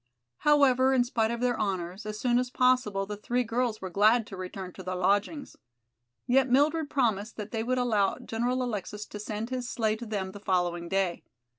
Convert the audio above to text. However, in spite of their honors, as soon as possible the three girls were glad to return to their lodgings. Yet Mildred promised that they would allow General Alexis to send his sleigh to them the following day.